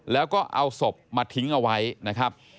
แล้วก็เอาศพมาทิ้งเอาไว้นะครับ